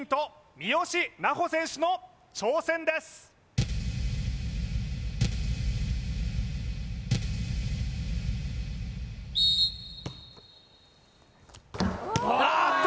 三好南穂選手の挑戦ですあっと！